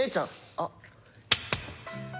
あっ！